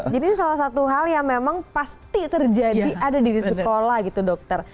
jadi ini salah satu hal yang memang pasti terjadi ada di sekolah gitu dokter